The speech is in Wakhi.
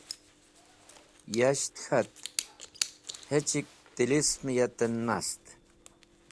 Yash k̃hat: Hechk tilism yeten nast.